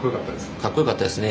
かっこよかったですね